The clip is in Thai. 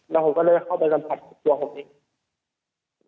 แล้วผมก็เลยเข้าไปสัมผัสตัวผมเอง